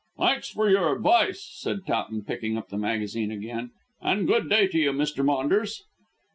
"Thanks for your advice," said Towton picking up the magazine again, "and good day to you, Mr. Maunders."